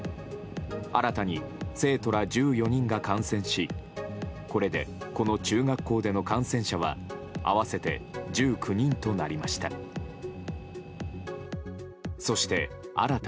新たに生徒ら１４人が感染しこれで、この中学校での感染者は合わせて１９人となりました。